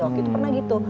waktu itu pernah begitu